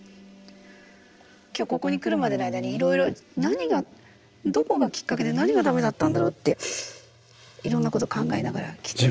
今日ここに来るまでの間にいろいろ何がどこがきっかけで何がダメだったんだろうっていろんなこと考えながら来て。